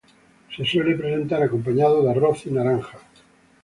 Se suele presentar acompañada de arroz y naranjas.